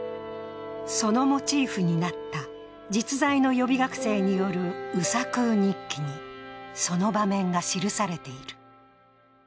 そのモチーフになった実在の予備学生による「宇佐空日記」にその場面が記されている。